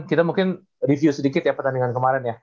kita mungkin review sedikit ya pertandingan kemarin ya